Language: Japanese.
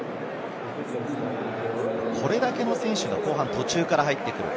これだけの選手が後半途中から入ってくる。